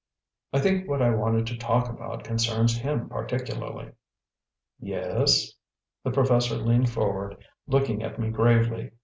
"I think what I wanted to talk about concerns him particularly." "Yes?" The professor leaned forward, looking at me gravely.